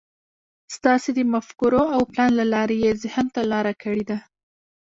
ستاسې د مفکورو او پلان له لارې يې ذهن ته لاره کړې ده.